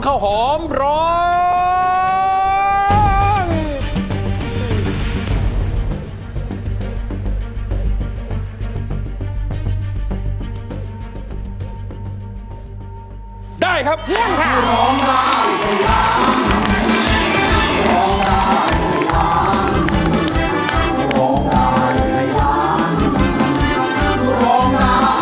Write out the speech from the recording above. ก็ร้องได้ให้หลานหนึ่ง